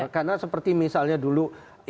karena seperti misalnya dulu